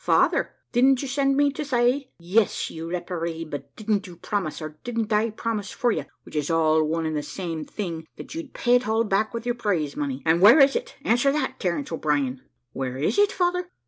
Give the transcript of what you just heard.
Father, didn't you send me to say?' `Yes, you rapparee; but didn't you promise or didn't I promise for you, which is all one and the same thing that you'd pay it all back with your prize money and where is it? answer that, Terence O'Brien.' `Where is it, father?